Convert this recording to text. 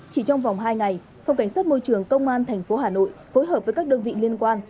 chỉ trong vòng hai ngày phòng cảnh sát môi trường công an tp hà nội phối hợp với các đơn vị liên quan